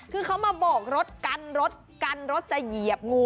คือเขามาโบกรถกันจะเหยียบงู